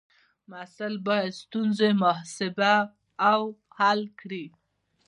محصل باید ستونزې محاسبه او حل کړي.